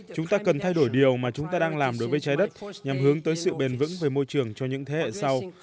chúng ta cần thay đổi điều mà chúng ta đang làm đối với trái đất nhằm hướng tới sự bền vững về môi trường cho những thế hệ sau